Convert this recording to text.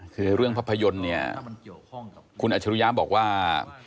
คือเรื่องภาพยนตร์เนี่ยคุณอัจฉริยะบอกว่า